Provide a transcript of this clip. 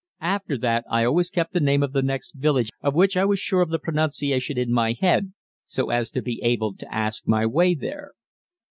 (After that I always kept the name of the next village of which I was sure of the pronunciation in my head, so as to be able to ask my way there.)